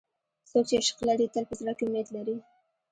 څوک چې عشق لري، تل په زړه کې امید لري.